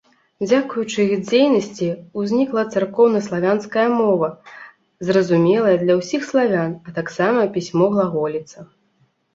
Дзякуючы іх дзейнасці ўзнікла царкоўнаславянская мова, зразумелая для ўсіх славян, а таксама пісьмо глаголіца.